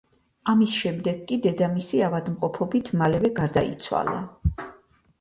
ამის შემდეგ კი, დედამისი ავადმყოფობით მალევე გარდაიცვალა.